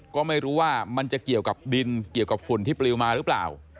ก็ไม่รู้ว่ามันจะเกี่ยวกับดินเกี่ยวกับฝุ่นที่ปลิวมาหรือเปล่า